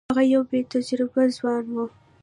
هغه یو بې تجربې ځوان وو.